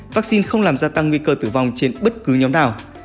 vaccine không làm gia tăng nguy cơ tử vong trên bất cứ nhóm nào